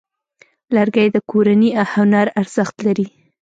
لرګی د کورني هنر ارزښت لري.